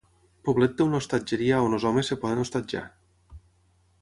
Poblet té una hostatgeria on els homes es poden hostatjar.